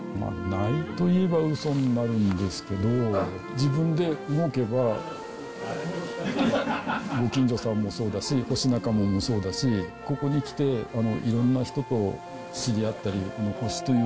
ないと言えばうそになるんですけど、自分で動けば、ご近所さんもそうだし、星仲間もそうだし、ここに来て、いろんな人と知り合ったり、星という